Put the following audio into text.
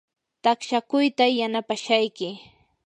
taqshakuyta yanapashayki.